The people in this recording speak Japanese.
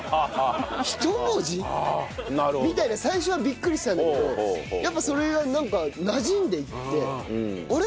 みたいな最初はビックリしたんだけどやっぱそれがなんかなじんでいって「あれ？